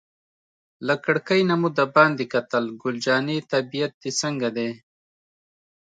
له کړکۍ نه مو دباندې کتل، ګل جانې طبیعت دې څنګه دی؟